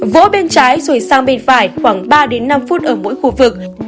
vỗ bên trái rồi sang bên phải khoảng ba đến năm phút ở mỗi khu vực